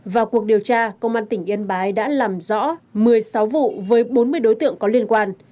vào cuộc điều tra công an tỉnh yên bái đã làm rõ một mươi sáu vụ với bốn mươi đối tượng có liên quan